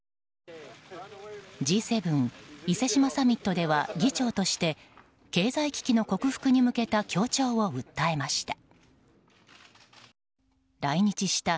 伊勢志摩サミットでは議長として経済危機の克服に向けた協調を訴えました。